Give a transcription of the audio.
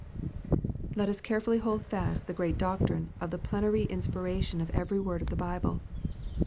Let us carefully hold fast the great doctrine of the plenary inspiration of every word of the Bible.